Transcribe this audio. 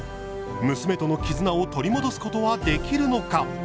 娘との絆を取り戻すことはできるのか。